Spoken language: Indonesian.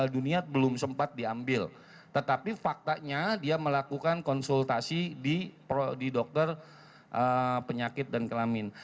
dokter penyakit dan kelamin